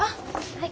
はい。